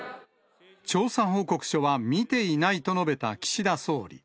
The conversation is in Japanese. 調査報告書は見ていないと述べた岸田総理。